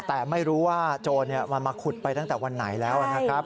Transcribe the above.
แต่ไม่รู้ว่าโจรมันมาขุดไปตั้งแต่วันไหนแล้วนะครับ